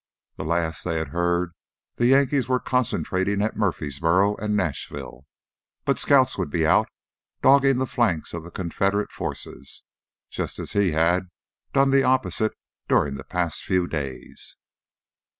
The last they had heard the Yankees were concentrating at Murfreesboro and Nashville. But scouts would be out, dogging the flanks of the Confederate forces, just as he had done the opposite during the past few days.